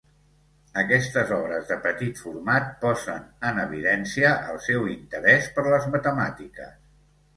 Aquestes obres de petit format posen en evidència el seu interès per les matemàtiques.